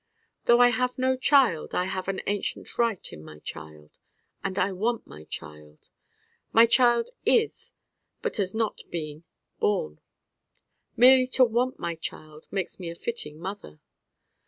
Though I have no child I have an ancient right in my Child, and I want my Child. My Child is, but has not been, born. Merely to want my Child makes me a fitting mother.